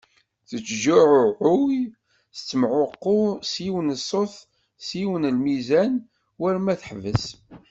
Tettejɛuɛuy tettemɛuqu s yiwen n ssut s yiwen n lmizan, war ma teḥbes.